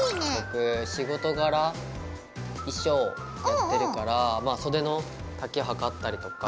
僕仕事柄衣装やってるからまあ袖の丈測ったりとか。